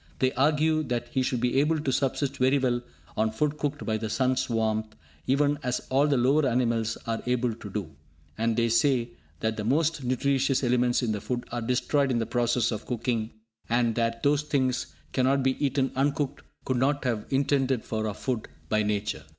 They argue that he should be able to subsist very well on food cooked by the Sun's warmth, even as all the lower animals are able to do; and they say that the most nutritious elements in the food are destroyed in the process of cooking, and that those things that cannot be eaten uncooked could not have been intended for our food by Nature.